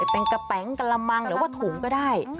เป็นกระแป๋งกระมังหรือว่าถุงก็ได้